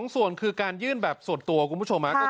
๒ส่วนคือการยื่นแบบส่วนตัวคุณผู้ชม